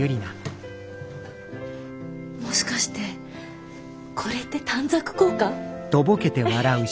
もしかしてこれって短冊効果？